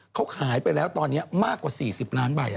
เขาขายไปแล้วตอนนี้มากกว่า๔๐ล้านใบ